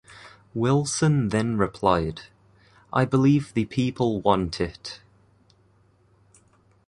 Wilson then replied, I believe the people want it.